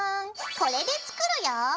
これで作るよ。